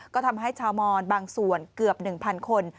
ก็ทำให้ชาวมอนบางส่วนเกือบ๑๐๐คน